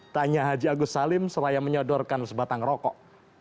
tanya haji agus salim selaya menyodorkan sebatang rokok